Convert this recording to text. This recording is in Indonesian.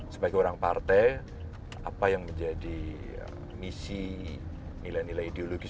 sebagai orang partai apa yang menjadi misi nilai nilai ideologis